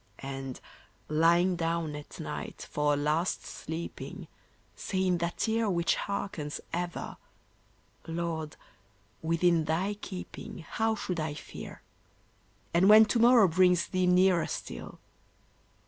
And, lying down at night for a last sleeping, Say in that ear Which hearkens ever: "Lord, within Thy keeping How should I fear? And when to morrow brings Thee nearer still.